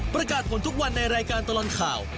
ประกาศผลทุกวันในรายการตลอดข่าว